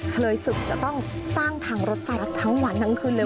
เฉลยศึกจะต้องสร้างทางรถไฟรับทั้งวันทั้งคืนเลย